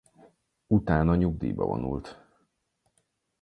Utána nyugdíjba vonult.